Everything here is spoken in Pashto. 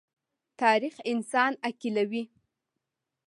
تاریخ انسان عاقلوي.